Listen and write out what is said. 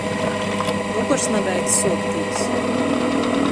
Vokors nabeidz suoktīs.